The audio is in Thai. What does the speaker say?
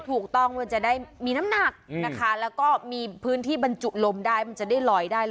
มันจะได้มีน้ำหนักนะคะแล้วก็มีพื้นที่บรรจุลมได้มันจะได้ลอยได้